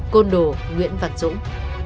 côn đồ nguyễn văn dũng